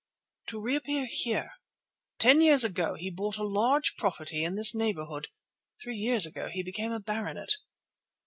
"To reappear here. Ten years ago he bought a large property in this neighbourhood. Three years ago he became a baronet."